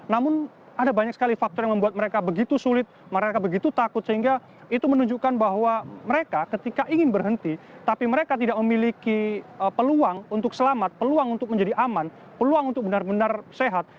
namun ada banyak sekali faktor yang membuat mereka begitu sulit mereka begitu takut sehingga itu menunjukkan bahwa mereka ketika ingin berhenti tapi mereka tidak memiliki peluang untuk selamat peluang untuk menjadi aman peluang untuk benar benar sehat